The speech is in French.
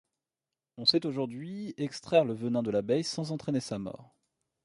On sait aujourd’hui extraire le venin de l’abeille sans entraîner sa mort.